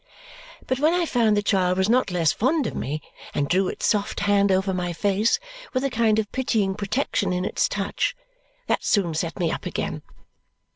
But when I found the child was not less fond of me, and drew its soft hand over my face with a kind of pitying protection in its touch, that soon set me up again.